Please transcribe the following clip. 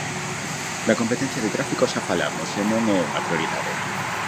Da competencia de tráfico xa falamos e non é unha prioridade.